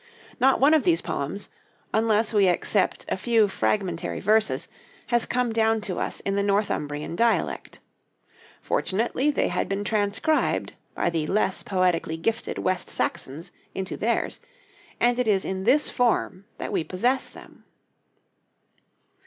Not one of these poems, unless we except a few fragmentary verses, has come down to us in the Northumbrian dialect. Fortunately they had been transcribed by the less poetically gifted West Saxons into theirs, and it is in this form that we possess them.